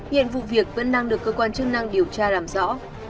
hiện vụ việc vẫn đang được cơ quan chức năng điều tra làm rõ